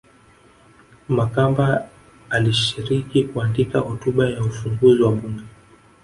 Makamba alishiriki kuandika hotuba ya ufunguzi wa bunge